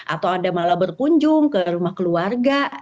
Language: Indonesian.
atau anda malah berkunjung ke rumah keluarga